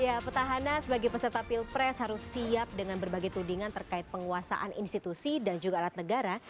ya petahana sebagai peserta pilpres harus siap dengan berbagai tudingan terkait penguasaan institusi dan juga alat negara